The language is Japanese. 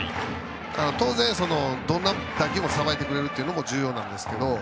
当然、どんな打球もさばいてくれるのも重要ですけど。